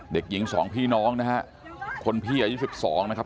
เด็กหญิงสองพี่น้องนะฮะคนพี่อายุ๑๒นะครับ